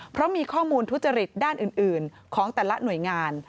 เพราะมีข้อมูลทุจริตด้านอื่นของแต่ละหน่วยงาน